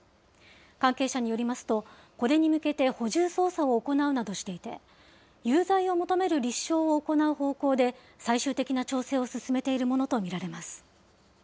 関係者によりますと、これに向けて補充捜査を行うなどしていて、有罪を求める立証を行う方向で、最終的な調整を進めているものと見られます。